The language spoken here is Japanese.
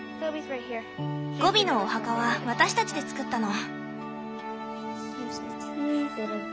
ゴビのお墓は私たちで作ったの。